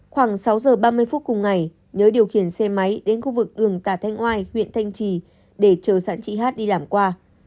khoảng sáu giờ ba mươi phút cùng ngày nhớ điều khiển xe máy đến khu vực đường tà thanh oai huyện thanh trì để chờ sẵn chị hát đi làm qua